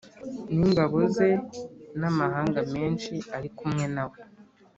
N ingabo ze n amahanga menshi ari kumwe na we